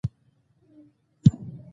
د ونو لاندې ګڼو بوټو سره یې ښکته کړو.